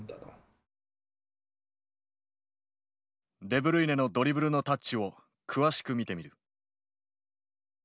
デブルイネのドリブルのタッチを詳しく見てみる。